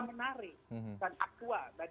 menarik dan aktual